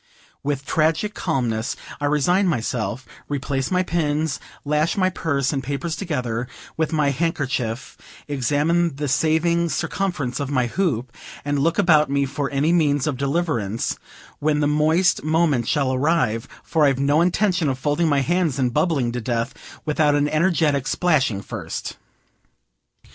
With tragic calmness I resign myself, replace my pins, lash my purse and papers together, with my handkerchief, examine the saving circumference of my hoop, and look about me for any means of deliverance when the moist moment shall arrive; for I've no intention of folding my hands and bubbling to death without an energetic splashing first.